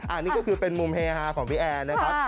อันนี้ก็คือเป็นมุมเฮฮาของพี่แอร์นะครับ